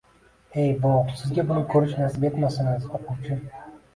E-voh! Sizga buni ko‘rish nasib etmasin, aziz o‘quvchi!